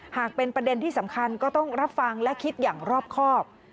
หากเป็นประเด็นที่สำคัญก็ต้องรับฟังและคิดอย่างรอบครอบ